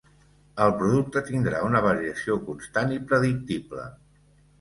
El producte tindrà una variació constant i predictible.